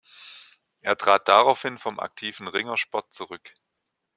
Er trat daraufhin vom aktiven Ringersport zurück.